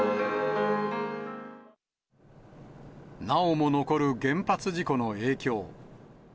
なおも残る原発事故の影響。